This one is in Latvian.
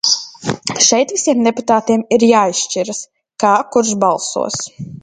Šeit visiem deputātiem ir jāizšķiras, kā kurš balsos.